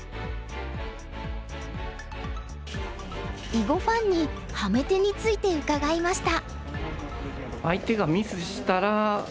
囲碁ファンにハメ手について伺いました。